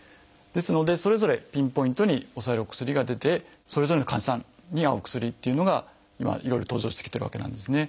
ですのでそれぞれピンポイントに抑えるお薬が出てそれぞれの患者さんに合うお薬っていうのが今いろいろ登場してきてるわけなんですね。